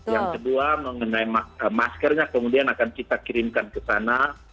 yang kedua mengenai maskernya kemudian akan kita kirimkan ke sana